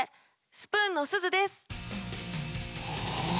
スプーンのすずです。